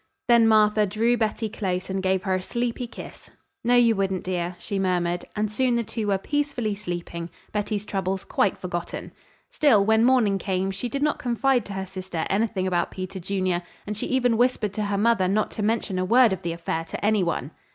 Then Martha drew Betty close and gave her a sleepy kiss. "No you wouldn't, dear," she murmured, and soon the two were peacefully sleeping, Betty's troubles quite forgotten. Still, when morning came, she did not confide to her sister anything about Peter Junior, and she even whispered to her mother not to mention a word of the affair to any one.